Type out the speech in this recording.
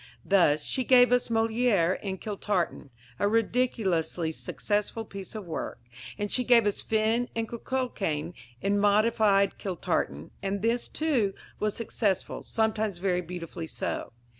Thus, she gave us Molière in Kiltartan a ridiculously successful piece of work and she gave us Finn and Cuchullain in modified Kiltartan, and this, too, was successful, sometimes very beautifully so.